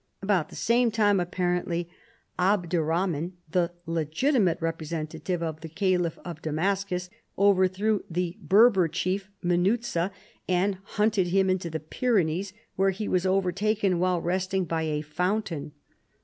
About the same time apparently, Abder rahman, the legitimate representative of the Caliph of Damascus, overthrew the Berber chief Munuza and hunted him into the Pyrenees, where he was over taken while resting by a fountain.